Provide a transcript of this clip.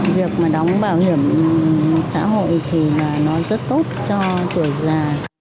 việc mà đóng bảo hiểm xã hội thì nó rất tốt cho tuổi già